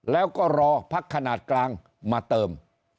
แล้วก็รอพักขนาดกลางมาเติม